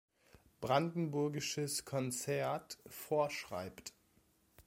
Brandenburgisches Konzert" vorschreibt.